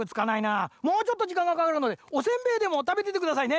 もうちょっとじかんがかかるのでおせんべいでもたべててくださいね。